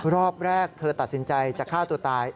รอบแรกเธอตัดสินใจจะฆ่าตัวตาย